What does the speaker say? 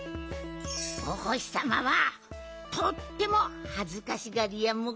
おほしさまはとってもはずかしがりやモグ。